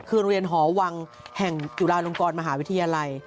คือโรงเรียนหอวังแห่งจุฬาลงกรมหาวิทยาลัย